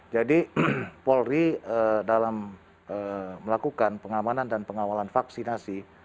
jadi polri dalam melakukan pengamanan dan pengawalan vaksinasi